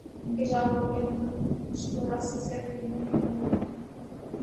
انکشاف ہوا کہ نمک مرچ تو راستے سے خریدنا ہی بھول گئے ہیں